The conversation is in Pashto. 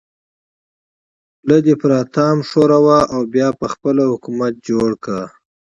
خوله دې پر اتام ښوروه او بیا به خپل حکومت جوړ کړو.